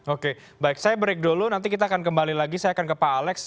oke baik saya break dulu nanti kita akan kembali lagi saya akan ke pak alex